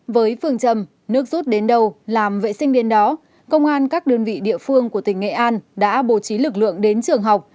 với phương châm nước rút đến đâu làm vệ sinh đến đó công an các đơn vị địa phương của tỉnh nghệ an đã bố trí lực lượng đến trường học